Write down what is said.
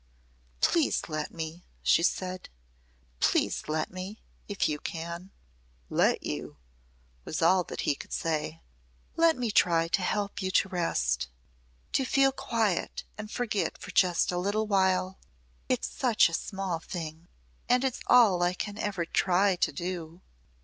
"Please let me," she said. "Please let me if you can!" "Let you!" was all that he could say. "Let me try to help you to rest to feel quiet and forget for just a little while. It's such a small thing. And it's all I can ever try to do."